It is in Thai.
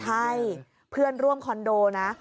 ใช่เพื่อนร่วมคอนโดนะ